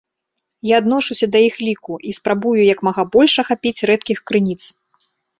Я адношуся да іх ліку, і спрабую як мага больш ахапіць рэдкіх крыніц.